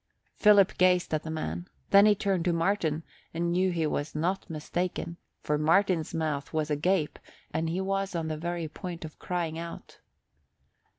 Phil gazed at the man, then he turned to Martin and knew he was not mistaken, for Martin's mouth was agape and he was on the very point of crying out.